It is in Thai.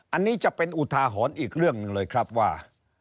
อันนี้จะเป็นอุทาหรณ์อีกเรื่องหนึ่งเลยครับว่า